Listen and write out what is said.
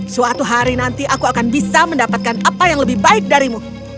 suatu hari nanti aku akan bisa mendapatkan apa yang lebih baik darimu